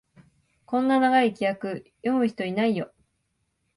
こんな長い規約、読む人いないよ